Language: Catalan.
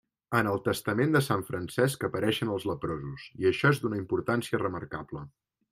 En el Testament de sant Francesc apareixen els leprosos, i això és d'una importància remarcable.